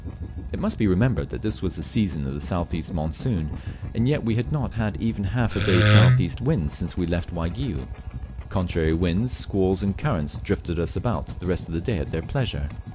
It must be remembered that this was the season of the south east monsoon, and yet we had not had even half a day's south east wind since we left Waigiou. Contrary winds, squalls, and currents drifted us about the rest of the day at their pleasure.